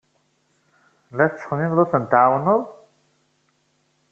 La tettxemmimed ad ten-tɛawned?